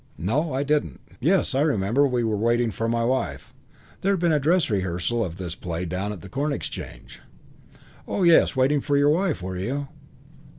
"No, I didn't. Yes, I remember; we were waiting for my wife. There'd been a dress rehearsal of this play down at the Corn Exchange." "Oh, yes, waiting for your wife, were you?"